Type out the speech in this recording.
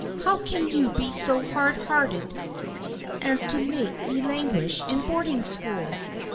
How can you be so hard hearted as to make me languish in boarding school